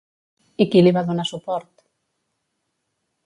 I qui li va donar suport?